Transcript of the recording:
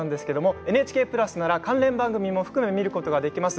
ＮＨＫプラスなら関連番組も含め見ることができます。